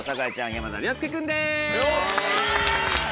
山田涼介君です！